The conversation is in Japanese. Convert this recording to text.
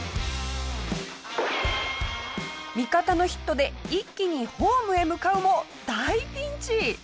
味方のヒットで一気にホームへ向かうも大ピンチ！